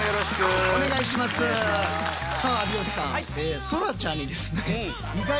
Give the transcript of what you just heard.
さあ有吉さん